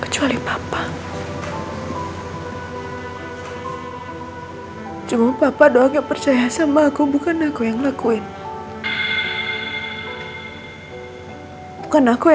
sampai jumpa di video selanjutnya